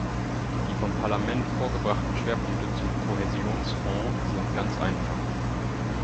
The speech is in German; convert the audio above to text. Die vom Parlament vorgebrachten Schwerpunkte zum Kohäsionsfonds sind ganz einfach.